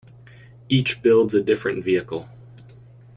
Each builds a different vehicle.